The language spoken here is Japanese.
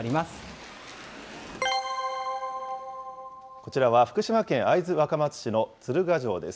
こちらは、福島県会津若松市の鶴ヶ城です。